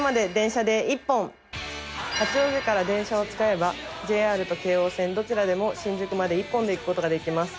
八王子から電車を使えばＪＲと京王線どちらでも新宿まで１本で行くことができます。